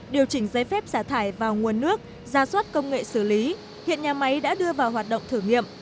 điều chỉnh giấy phép xả thải vào nguồn nước ra soát công nghệ xử lý hiện nhà máy đã đưa vào hoạt động thử nghiệm